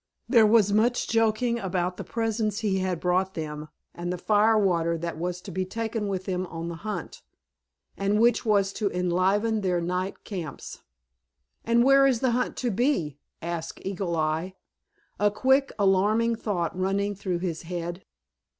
There was much joking about the presents he had brought them and the fire water that was to be taken with them on the hunt, and which was to enliven their night camps. "And where is the hunt to be?" asked Eagle Eye, a quick alarming thought running through his head.